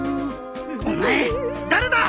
お前誰だ！？